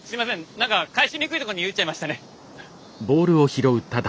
何か返しにくいとこに打っちゃいましたね。